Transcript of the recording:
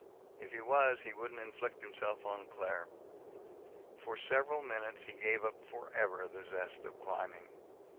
If he was, he wouldn't inflict himself on Claire. For several minutes he gave up forever the zest of climbing.